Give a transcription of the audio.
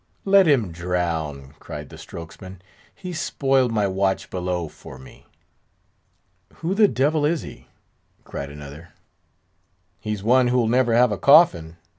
"Let him drown!" cried the strokesman; "he's spoiled my watch below for me." "Who the devil is he?" cried another. "He's one who'll never have a coffin!"